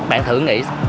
bạn thử nghĩ